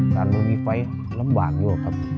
มันมีไฟลำบากอยู่ครับ